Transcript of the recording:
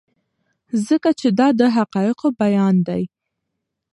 ځکه چې دا د حقایقو بیان دی.